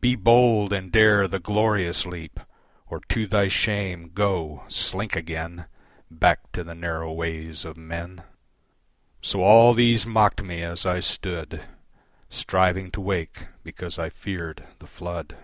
Be bold and dare the glorious leap, Or to thy shame, go, slink again Back to the narrow ways of men." So all these mocked me as I stood Striving to wake because I feared the flood.